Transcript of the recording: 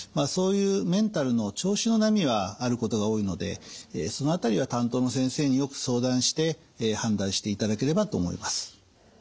そういうメンタルの調子の波はあることが多いのでその辺りは担当の先生によく相談して判断していただければと思います。